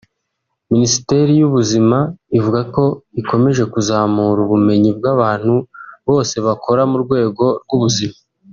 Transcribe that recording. Minisiteri y’ubuzima ivuga ko ikomeje kuzamura ubumenyi bw’abantu bose bakora mu rwego rw’ubuzima